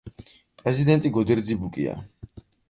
პრეზიდენტი გოდერძი ბუკია.